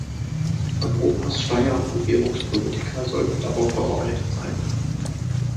Europas Steuer- und Währungspolitiker sollten darauf vorbereitet sein.